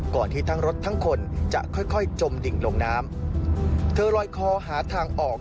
ที่ทั้งรถทั้งคนจะค่อยค่อยจมดิ่งลงน้ำเธอลอยคอหาทางออก